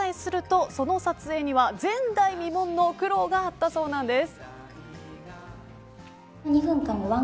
主演女優を独占取材するとその撮影には、前代未聞の苦労があったそうなんです。